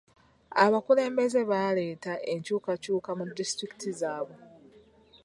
Abakulembeze baleeta enkyukakyuka mu disitulikiti zaabwe.